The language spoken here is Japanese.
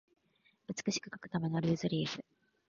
美しく書くためのルーズリーフ